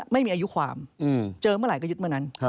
ไม่มีอายุความเจอเมื่อไหร่ก็ยึดเมื่อนั้น